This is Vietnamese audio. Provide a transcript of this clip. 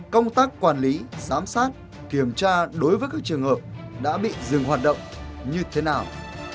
công tác quản lý giám sát kiểm tra đối với các trường hợp đã bị dừng hoạt động như thế nào